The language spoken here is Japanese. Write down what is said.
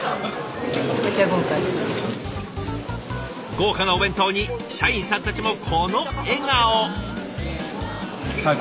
豪華なお弁当に社員さんたちもこの笑顔。